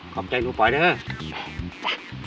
ขอบใจหนูป่อยนะฮะ